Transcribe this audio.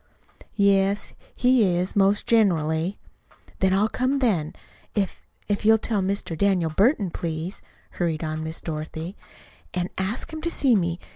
"Yes, he is, most generally." "Then I'll come then. If if you'll tell Mr. Daniel Burton, please," hurried on Miss Dorothy, "and ask him to see me.